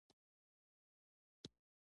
د سالنګ تونل اوږد دی